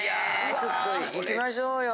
ちょっといきましょうよ。